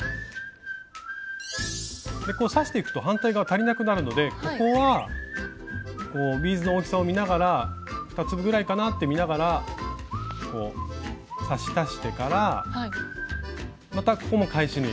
刺していくと反対側足りなくなるのでここはビーズの大きさを見ながら２粒ぐらいかなって見ながら刺し足してからまたここも返し縫い。